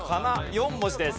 ４文字です。